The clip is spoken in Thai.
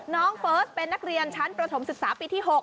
เฟิร์สเป็นนักเรียนชั้นประถมศึกษาปีที่๖